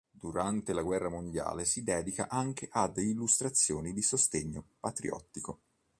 Durante la guerra mondiale si dedica anche ad illustrazioni di sostegno patriottico.